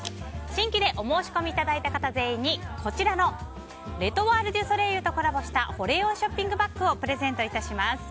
新規でお申し込みいただいた方全員に、こちらのレ・トワール・デュ・ソレイユとコラボした保冷温ショッピングバッグをプレゼント致します。